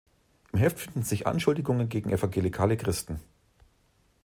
Im Heft finden sich Anschuldigungen gegen evangelikale Christen.